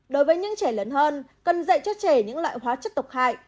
đối với những trẻ lớn hơn cần dạy cho trẻ những loại hóa chất độc hại